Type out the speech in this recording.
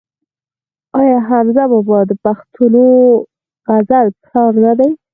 آیا حمزه بابا د پښتو غزل پلار نه دی؟